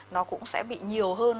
nó cũng sẽ bị nhiều hơn